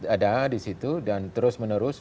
ada di situ dan terus menerus